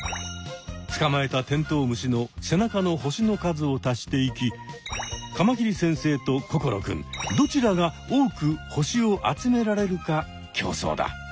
つかまえたテントウムシの背中の星の数を足していきカマキリ先生と心くんどちらが多く星を集められるか競争だ。